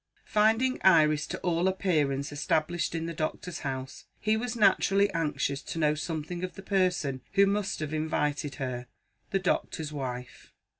Finding Iris to all appearance established in the doctor's house, he was naturally anxious to know something of the person who must have invited her the doctor's wife.